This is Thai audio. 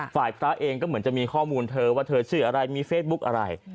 พระเองก็เหมือนจะมีข้อมูลเธอว่าเธอชื่ออะไรมีเฟซบุ๊กอะไร